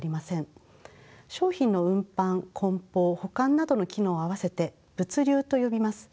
商品の運搬梱包保管などの機能をあわせて物流と呼びます。